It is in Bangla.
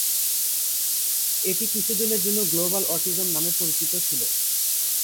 এটি কিছুদিনের জন্য গ্লোবাল অটিজম নামে পরিচিত ছিল।